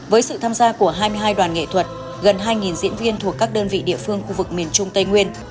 với sự tham gia của hai mươi hai đoàn nghệ thuật gần hai diễn viên thuộc các đơn vị địa phương khu vực miền trung tây nguyên